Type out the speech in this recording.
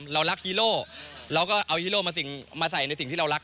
เรารักฮีโร่เราก็เอาฮีโร่มาใส่ในสิ่งที่เรารัก